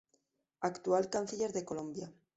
Actual canciller de Colombia.